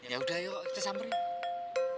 yaudah yuk kita samperin